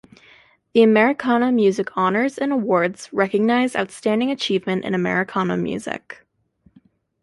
The Americana Music Honors and Awards recognise outstanding achievement in Americana music.